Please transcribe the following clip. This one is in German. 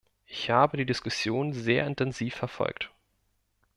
Ich habe die Diskussion sehr intensiv verfolgt.